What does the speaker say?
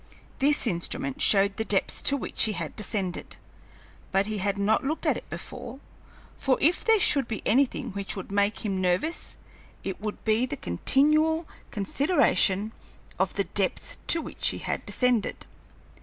This instrument showed the depth to which he had descended, but he had not looked at it before, for if there should be anything which would make him nervous it would be the continual consideration of the depth to which he had descended.